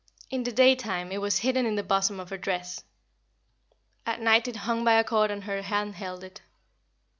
In the daytime it was hidden in the bosom of her dress; at night it hung by a cord and her hand held it.